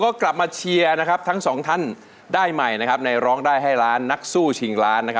ก็กลับมาเชียร์ทั้งสองท่านได้ใหม่ในร้องได้ให้ล้านนักสู้ชิงล้าน